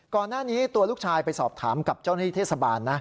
ก่อนหน้านี้ตัวลูกชายไปสอบถามกับเจ้าหน้าที่เทศบาลนะ